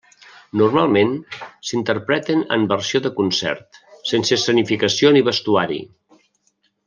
Normalment, s'interpreten en versió de concert, sense escenificació ni vestuari.